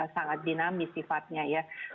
sangat dinamis sifatnya ya